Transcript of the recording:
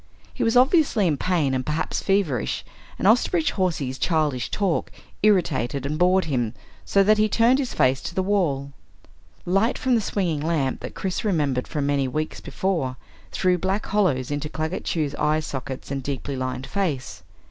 He was obviously in pain and perhaps feverish, and Osterbridge Hawsey's childish talk irritated and bored him so that he turned his face to the wall. Light from the swinging lamp that Chris remembered from many weeks before threw black hollows into Claggett Chew's eye sockets and deeply lined face.